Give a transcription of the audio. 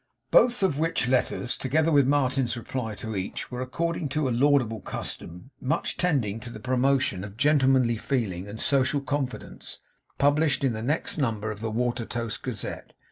Both of which letters, together with Martin's reply to each, were, according to a laudable custom, much tending to the promotion of gentlemanly feeling and social confidence, published in the next number of the Watertoast Gazette.